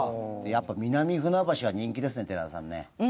やっぱ南船橋は人気ですね寺田さんね。